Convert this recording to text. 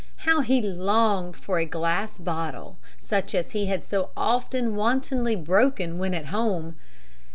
How he longed for a glass bottle such as he had so often wantonly broken when at home!